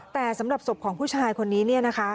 แต่สำหรับศพของผู้ชายคนนี้